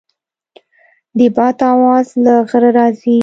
د باد اواز له غره راځي.